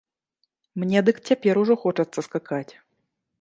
Мне дык цяпер ужо хочацца скакаць.